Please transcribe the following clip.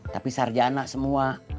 tapi sarjana semua